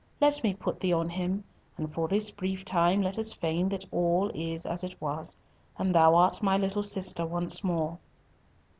Let me put thee on him, and for this brief time let us feign that all is as it was, and thou art my little sister once more."